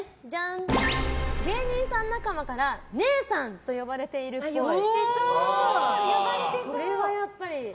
芸人さん仲間から姉さん！と呼ばれているっぽい。